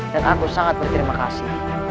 dan aku sangat berterima kasih